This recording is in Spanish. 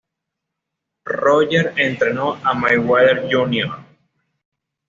Roger entrenó a Mayweather Jr.